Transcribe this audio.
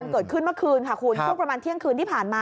เกิดขึ้นเมื่อคืนค่ะคุณช่วงประมาณเที่ยงคืนที่ผ่านมา